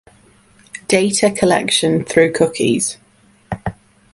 Data Collection Through Cookies